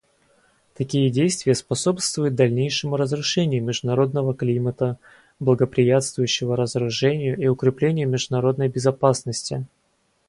Такие действия способствуют дальнейшему разрушению международного климата, благоприятствующего разоружению и укреплению международной безопасности.